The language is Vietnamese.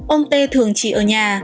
ông t thường chỉ ở nhà